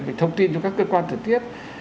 mình thông tin cho các cơ quan thực tiết